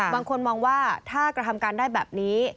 บางคนมองว่าถ้ากระทำการได้แบบนี้